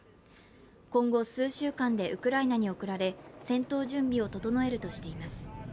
今後数週間でウクライナに送られ、戦闘準備を整えるとしています。